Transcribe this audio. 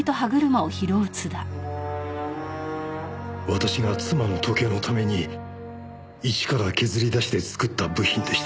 私が妻の時計のために一から削り出して作った部品でした。